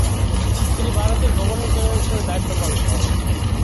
তিনি ভারতের governor general হিসাবে দায়িত্ব পালন করেন।